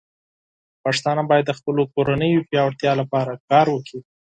پښتانه بايد د خپلو کورنيو پياوړتیا لپاره کار وکړي.